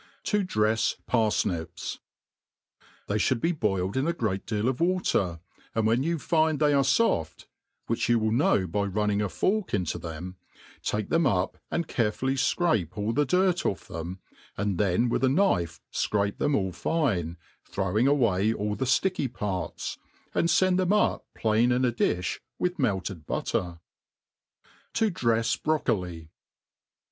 ;.7i dre/s Par/nips* THEY (hould be boiled in a great deal of water, and when you find they are foft (which you will know by running a fork into them), take them up, and carefully (crape all the dirt off them, and then with a knife fcrape them all fine, throwing away all the fticky parts^ and fend them up plain in a difli with melted butter. To drejs Broccoli.